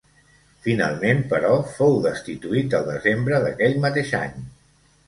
Finalment, però, fou destituït el desembre d'aquell mateix any.